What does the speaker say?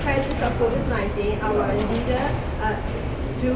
พวกมันจัดสินค้าที่๖นาทีถึง๖นาที